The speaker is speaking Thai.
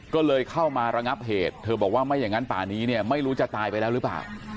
ก็เลยเข้ามาระงับเหตุเธอบอกว่าไม่อย่างนั้นป่านี้เนี่ยไม่รู้จะตายไปแล้วหรือเปล่า